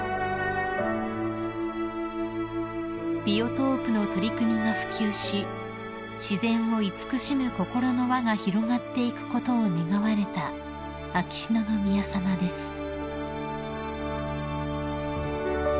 ［ビオトープの取り組みが普及し自然を慈しむ心の輪が広がっていくことを願われた秋篠宮さまです］